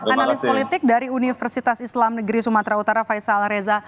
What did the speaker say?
analis politik dari universitas islam negeri sumatera utara faisal reza